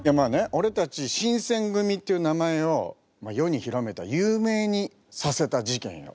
俺たち新選組っていう名前を世に広めた有名にさせた事件よ。